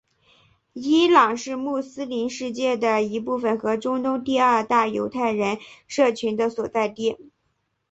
伊朗是穆斯林世界的一部分和中东第二大犹太人社群的所在地。